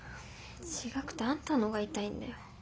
違くてあんたのが痛いんだよ。